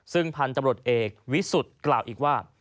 ซึ่งภัณฑ์จำรวจเอกวิสุธกล่าวอีกว่า